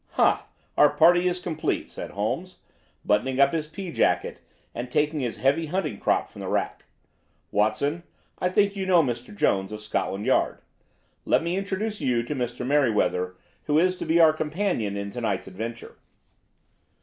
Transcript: "Ha! Our party is complete," said Holmes, buttoning up his pea jacket and taking his heavy hunting crop from the rack. "Watson, I think you know Mr. Jones, of Scotland Yard? Let me introduce you to Mr. Merryweather, who is to be our companion in to night's adventure."